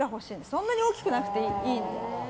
そんなに大きくなくていいので。